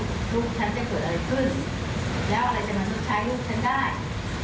ลูกฉันจะเกิดอะไรขึ้นแล้วอะไรจะมาชดใช้ลูกฉันได้